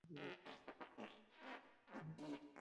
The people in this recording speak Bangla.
বাসের সঙ্গে স্কুটারের ধাক্কায় মনে হলো আংটিটা আঙুল থেকে ছিটকে পড়ল।